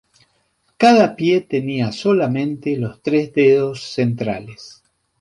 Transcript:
Cada pie tenía solamente los tres dedos centrales.